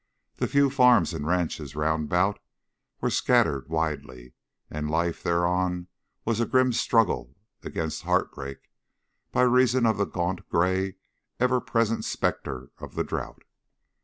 The few farms and ranches round about were scattered widely, and life thereon was a grim struggle against heartbreak, by reason of the gaunt, gray, ever present specter of the drought.